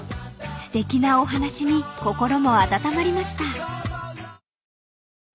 ［すてきなお話に心も温まりました］